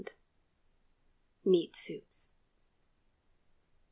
MEAT SOUPS.